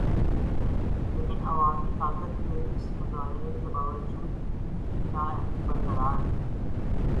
لیکن عوامی طاقت کے اس مظاہرے کے باوجود ان کی نااہلی برقرار ہے۔